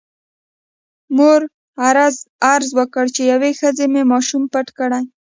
مور عرض وکړ چې یوې ښځې مې ماشوم پټ کړی.